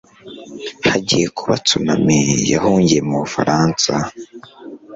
hagiye kubaho tsunami yahungiye mu bufaransa